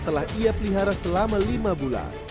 telah ia pelihara selama lima bulan